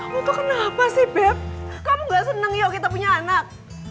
kamu tuh kenapa sih beb kamu gak senang ya kita punya anak